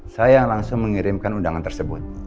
saya langsung mengirimkan undangan tersebut